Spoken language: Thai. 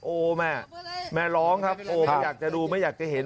โอ้แม่แม่ร้องครับโอ้ไม่อยากจะดูไม่อยากจะเห็น